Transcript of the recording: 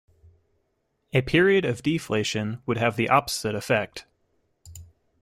A period of deflation would have the opposite effect.